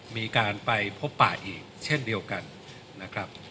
มีการไปพบป่าอีกเช่นเดียวกันนะครับ